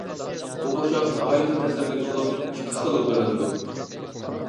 بۇ قوشاق ناھايىتى تەسىرلىك بولۇپ، ئىككى خىلغا بۆلىنىدۇ.